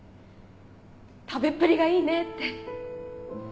「食べっぷりがいいね」って。